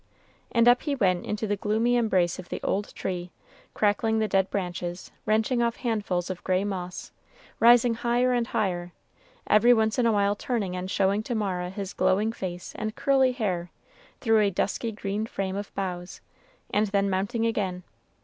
And up he went into the gloomy embrace of the old tree, crackling the dead branches, wrenching off handfuls of gray moss, rising higher and higher, every once in a while turning and showing to Mara his glowing face and curly hair through a dusky green frame of boughs, and then mounting again.